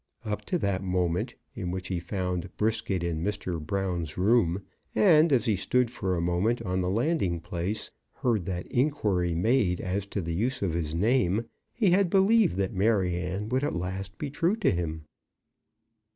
Up to that moment, in which he found Brisket in Mr. Brown's room, and, as he stood for a moment on the landing place, heard that inquiry made as to the use of his name, he had believed that Maryanne would at last be true to him.